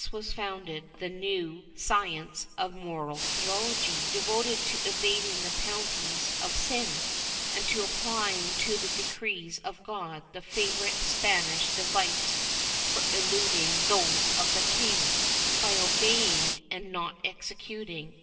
II] CONTEMPT FOR LAW 511 science of Moral Theology, devoted to evading the penalties of sin, and to applying to the decrees of God the favorite Spanish device for eluding those of the king, by obeying and not executing.